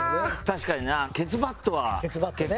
確かにな。